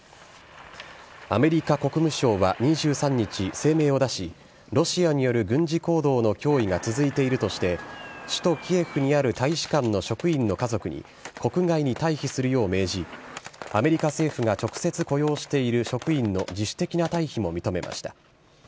アメリカ国務省は２３日、声明を出し、ロシアによる軍事行動の脅威が続いているとして、首都キエフにある大使館の職員の家族に国外に退避するよう命じ、アメリカ政府が直接雇用している職員の自主的な退避も認めました。